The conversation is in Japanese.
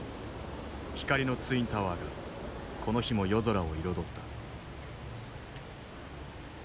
光のツインタワーがこの日も夜空を彩った。